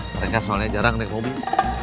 mereka soalnya jarang naik mobil